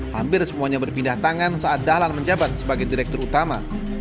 hampir semuanya berpindah tangan saat dahlan menjabat sebagai direktur utama